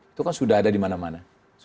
itu kan sudah ada di mana mana